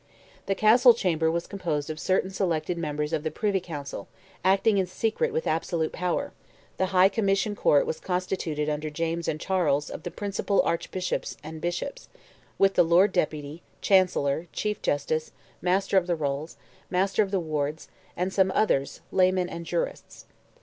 The Castle Chamber was composed of certain selected members of the Privy Council acting in secret with absolute power; the High Commission Court was constituted under James and Charles, of the principal Archbishops and Bishops, with the Lord Deputy, Chancellor, Chief Justice, Master of the Rolls, Master of the Wards, and some others, laymen and jurists.